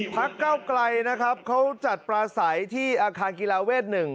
พระเก้าไกลครับเขาจัดปราศัยที่อาคารกีราว่นเวษหนึ่ง